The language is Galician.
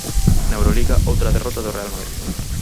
Na Euroliga outra derrota do Real Madrid.